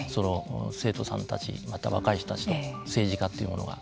生徒さんたちまた若い人たちと政治家というものが。